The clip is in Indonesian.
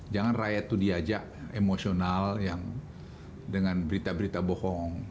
jangan rakyat itu diajak emosional yang dengan berita berita bohong